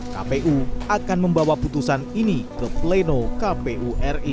kpu akan membawa putusan ini ke pleno kpu ri